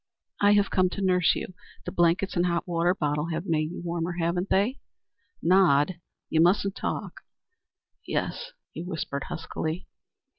"I have come to nurse you. The blankets and hot water bottle have made you warmer, haven't they? Nod; you mustn't talk." "Yes," he whispered huskily.